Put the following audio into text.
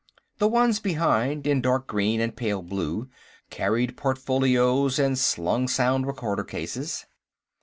The ones behind, in dark green and pale blue, carried portfolios and slung sound recorder cases.